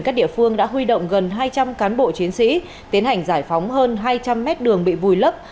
các địa phương đã huy động gần hai trăm linh cán bộ chiến sĩ tiến hành giải phóng hơn hai trăm linh mét đường bị vùi lấp